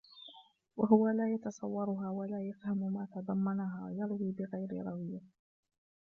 وَهُوَ لَا يَتَصَوَّرُهَا وَلَا يَفْهَمُ مَا تَضَمَّنَهَا يَرْوِي بِغَيْرِ رَوِيَّةٍ